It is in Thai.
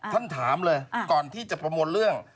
ท่านถามเลยก่อนที่จะประมวลเรื่อง